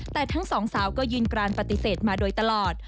แต่ทั้งสองสาวก็ยืนกรานปฏิเสธมาโดยตลอด